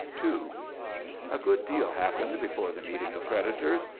*II* A good deal happened before the meeting of creditors.